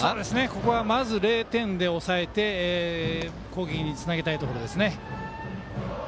ここはまず０点で抑えて攻撃につなげたいですね。